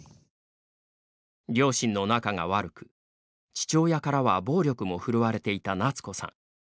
両親の仲が悪く、父親からは暴力も振るわれていた奈津子さん。